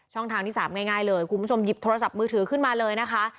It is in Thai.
ทางที่๓ง่ายเลยคุณผู้ชมหยิบโทรศัพท์มือถือขึ้นมาเลยนะคะ